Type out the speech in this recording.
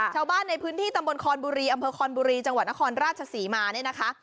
ชาวบ้านในพื้นที่ตำบลคอนบุรีอำเภอคอนบุรีจังหวัดนครราชศรีมาเนี่ยนะคะ